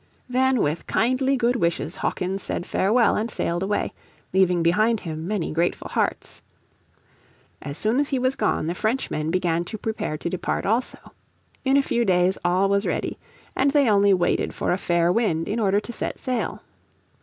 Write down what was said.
Then with kindly good wishes Hawkins said farewell and sailed away, leaving behind him many grateful hearts. As soon as he was gone the Frenchmen began to prepare to depart also. In a few days all was ready, and they only waited for a fair wind in order to set sail.